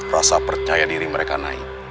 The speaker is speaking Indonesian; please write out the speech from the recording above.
rasa percaya diri mereka naik